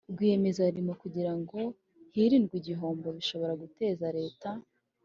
Rwiyemezamirimo kugira ngo hirindwe igihombo bishobora guteza Leta